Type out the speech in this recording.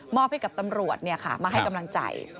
ให้กับตำรวจมาให้กำลังใจ